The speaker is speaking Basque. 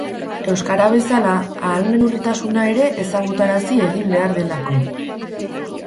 Euskara bezala, ahalmen urritasuna ere ezagutarazi egin behar delako.